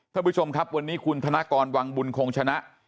ท่านผู้ชมครับวันนี้คุณธนกรวังบุญคงชนะ